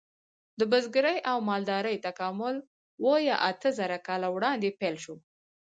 د بزګرۍ او مالدارۍ تکامل اوه یا اته زره کاله وړاندې پیل شو.